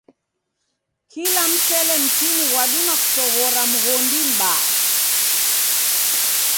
Kila msele mtini ghwadima kusoghora mghondi mbaa.